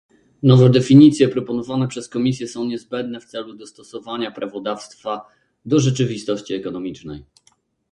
Nowe definicje proponowane przez Komisję są niezbędne w celu dostosowania prawodawstwa do rzeczywistości ekonomicznej